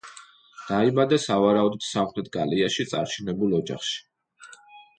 დაიბადა სავარაუდოდ სამხრეთ გალიაში, წარჩინებულ ოჯახში.